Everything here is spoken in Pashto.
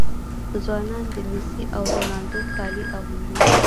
ځوانان د میسي او رونالډو کالي اغوندي.